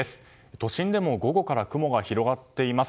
都心でも午後から雲が広がっています。